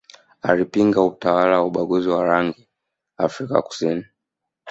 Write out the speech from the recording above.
alipinga utawala wa ubaguzi wa rangi Afrika kusini